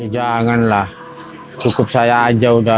janganlah cukup saya aja udah